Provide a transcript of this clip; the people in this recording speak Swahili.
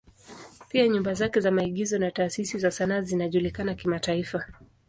Pia nyumba zake za maigizo na taasisi za sanaa zinajulikana kimataifa.